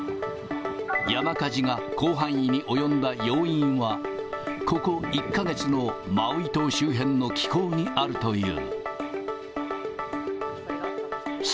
山火事が広範囲に及んだ要因は、ここ１か月のマウイ島周辺の気候にあるという。